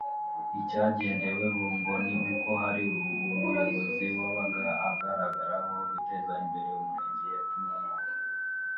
Icyagendeweho ngo ni uko hari nk’umuyobozi wabaga agaragaraho guteza imbere umurenge yatumwemo